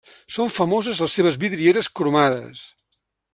Són famoses les seves vidrieres cromades.